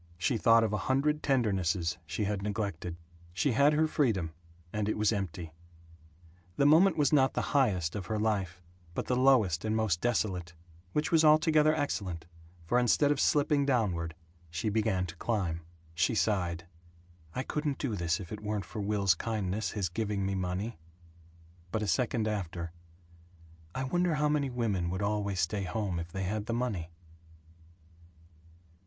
She thought of a hundred tendernesses she had neglected. She had her freedom, and it was empty. The moment was not the highest of her life, but the lowest and most desolate, which was altogether excellent, for instead of slipping downward she began to climb. She sighed, "I couldn't do this if it weren't for Will's kindness, his giving me money." But a second after: "I wonder how many women would always stay home if they had the money?"